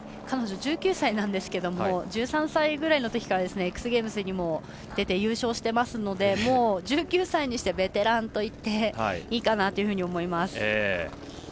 彼女１９歳なんですが１３歳ぐらいのときからＸゲームズにも出て優勝していますのでもう１９歳にしてベテランといっていいかなと思います。